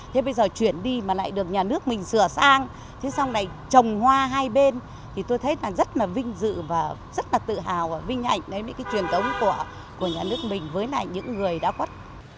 thế bây giờ chuyển đi mà lại được nhà nước mình sửa sang thế xong này trồng hoa hai bên thì tôi thấy là rất là vinh dự và rất là tự hào và vinh hạnh đấy với cái truyền thống của nhà nước mình với lại những người đã khuất